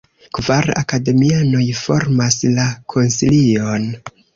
Kvar akademianoj formas la konsilion.